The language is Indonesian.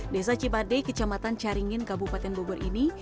desa cipade kecamatan caringin kabupaten bogor ini